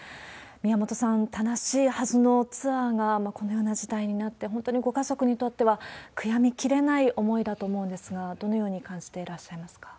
宮本さん、楽しいはずのツアーがこのような事態になって、本当にご家族にとっては悔やみきれない思いだと思うんですが、どのように感じていらっしゃいますか？